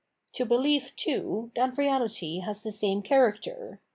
To behef, too, that Reahty has the same character.